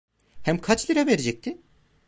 Hem kaç lira verecekti?